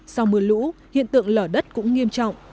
sau mưa lũ hiện tượng lở đất cũng nghiêm trọng